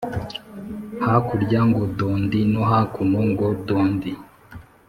Hakurya ngo dondi no hakuno ngo dondi.-